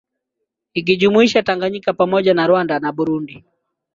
Ikijumuisha Tanganyika pamoja na Rwanda na Burundi